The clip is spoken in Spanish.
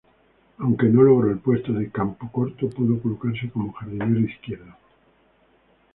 Aunque no logró el puesto de campocorto, pudo colocarse como jardinero izquierdo.